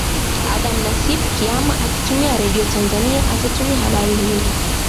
Adam Nasibu Kiama akitumia Radio Tanzania atatumia habari hile